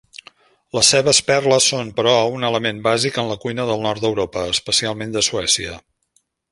Les cebes "perla" són, però, una element bàsic en la cuina del nord d'Europa, especialment de Suècia.